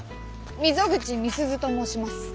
溝口美鈴と申します。